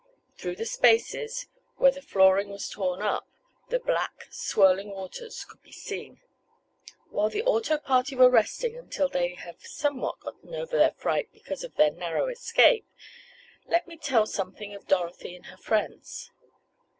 Through the spaces, where the flooring was torn up, the black, swirling waters could be seen. While the auto party are resting until they have somewhat gotten over the fright caused by their narrow escape, let me tell something of Dorothy and her friends.